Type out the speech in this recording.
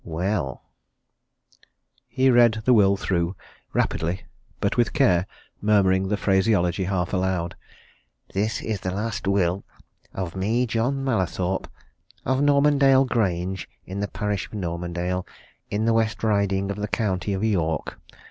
Well " He read the will through rapidly, but with care, murmuring the phraseology half aloud. "This is the last will of me, John Mallathorpe, of Normandale Grange, in the parish of Normandale, in the West Riding of the County of York.